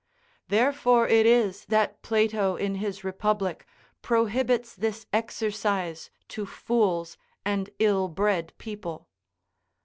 Therefore it is that Plato in his Republic prohibits this exercise to fools and ill bred people.